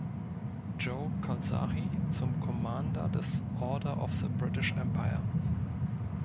Joe Calzaghe zum „Commander des Order of the British Empire“.